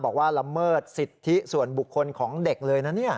ละเมิดสิทธิส่วนบุคคลของเด็กเลยนะ